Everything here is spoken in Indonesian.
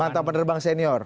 mantan penerbang senior